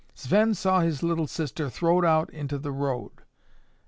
"Sven saw his little sister throwed out into the road.